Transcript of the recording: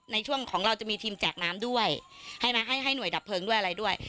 ในช่วงของเราจะมีทีมแจกน้ำด้วยใช่ไหมให้ให้หน่วยดับเพลิงด้วยอะไรด้วย